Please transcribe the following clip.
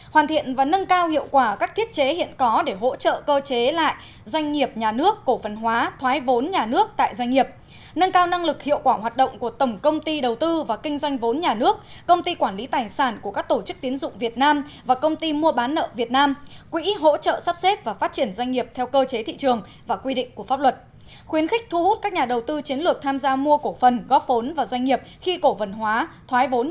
hai mươi hai hoàn thiện và nâng cao hiệu quả các thiết chế hiện có để hỗ trợ cơ chế lại doanh nghiệp nhà nước cổ phần hóa thoái vốn nhà nước tại doanh nghiệp nâng cao năng lực hiệu quả hoạt động của tổng công ty đầu tư và kinh doanh vốn nhà nước công ty quản lý tài sản của các tổ chức tiến dụng việt nam và công ty mua bán nợ việt nam quỹ hỗ trợ sắp xếp và phát triển doanh nghiệp theo cơ chế thị trường và quy định của pháp luật khuyến khích thu hút các nhà đầu tư chiến lược tham gia mua cổ phần góp vốn và doanh nghiệp khi cổ phần hóa thoái